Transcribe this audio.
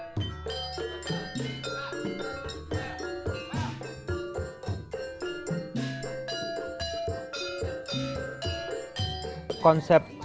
tanpa menelan atau fakta